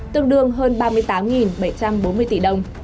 tương đương hơn ba mươi tám bảy trăm bốn mươi tỷ đồng